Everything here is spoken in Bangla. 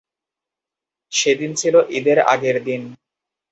সেদিন ছিল ঈদের আগের দিন।